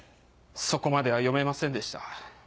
そこまでは読めませんでした。